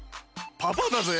パパだぜ。